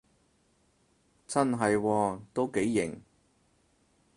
真係喎，都幾型